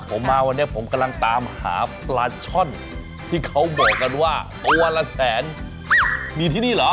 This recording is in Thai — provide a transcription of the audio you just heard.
ผมมาวันนี้ผมกำลังตามหาปลาช่อนที่เขาบอกกันว่าตัวละแสนมีที่นี่เหรอ